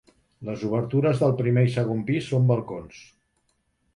Les obertures del primer i segon pis són balcons.